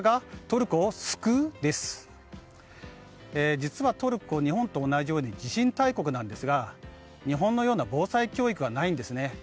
実はトルコ、日本と同じように地震大国なんですが日本のような防災教育がないんですね。